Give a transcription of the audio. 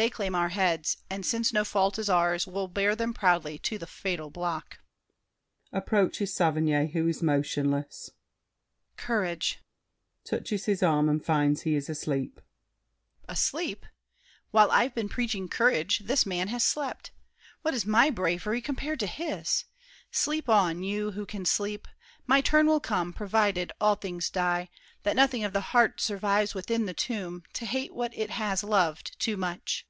They claim our heads; and since no fault is ours, We'll bear them proudly to the fatal block. [Approaches Saverny, who is motionless. Courage! [Touches his arm and finds he is asleep. Asleep! While I've been preaching courage This man has slept! What is my bravery Compared to his? Sleep on, you who can sleep. My turn will come—provided all things die, That nothing of the heart survives within The tomb, to hate what it has loved too much.